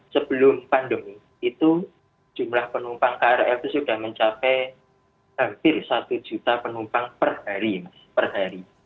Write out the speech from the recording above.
sebelum pandemi itu jumlah penumpang krl itu sudah mencapai hampir satu juta penumpang per hari per hari